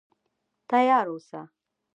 تیار اوسه.